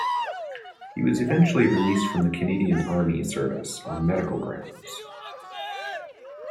He was eventually released from the Canadian army service on medical grounds.